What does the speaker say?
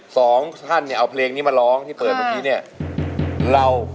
สองท่านเนี่ยเอาเพลงนี้มาร้องที่เปิดเมื่อกี้เนี่ยเรา